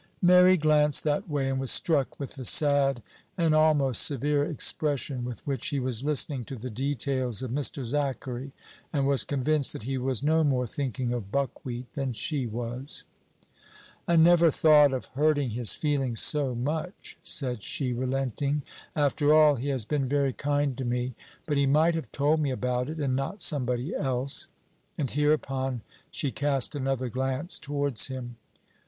Mary glanced that way, and was struck with the sad and almost severe expression with which he was listening to the details of Mr. Zachary, and was convinced that he was no more thinking of buckwheat than she was. "I never thought of hurting his feelings so much," said she, relenting; "after all, he has been very kind to me. But he might have told me about it, and not somebody else." And hereupon she cast another glance towards him.